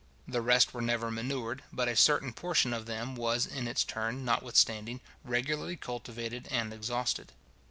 The rest were never manured, but a certain portion of them was in its turn, notwithstanding, regularly cultivated and exhausted.